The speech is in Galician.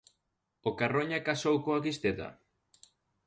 –¿O Carroña casou coa Cristeta?